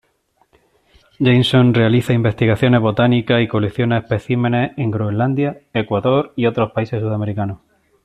Jameson realiza investigaciones botánicas y colecciona especímenes en Groenlandia, Ecuador y otros países sudamericanos.